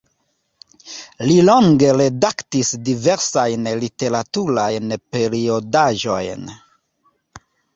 Li longe redaktis diversajn literaturajn periodaĵojn.